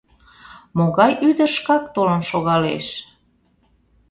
Могай ӱдыр шкак толын шогалеш?